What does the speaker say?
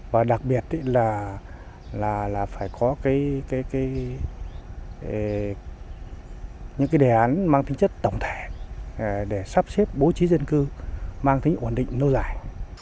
và đặc biệt là phải có những cái đề án mang tính chất tổng thể để sắp xếp bố trí dân cư mang tính ổn định lâu dài